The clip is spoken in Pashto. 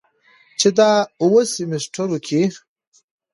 چې دا اووه سميسترو کې